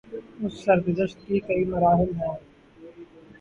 اس سرگزشت کے کئی مراحل ہیں۔